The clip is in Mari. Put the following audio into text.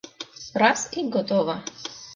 Раз и готово!